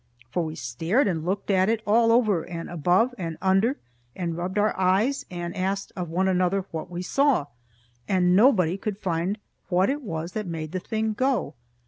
For we stared and looked it all over, and above, and under, and rubbed our eyes, and asked of one another what we saw, and nobody could find what it was that made the thing go.